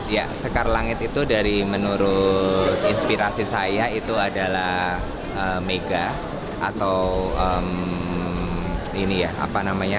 ya sekar langit itu dari menurut inspirasi saya itu adalah mega atau ini ya apa namanya